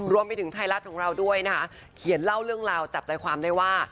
รวมไปถึงไทยรัฐของเราด้วยนะคะเขียนเล่าเรื่องราวจับใจความได้ว่า